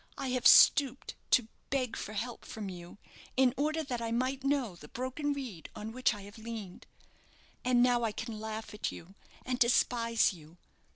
I have stooped to beg for help from you, in order that I might know the broken reed on which I have leaned. And now I can laugh at you, and despise you.